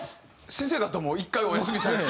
先生方も一回お休みされた？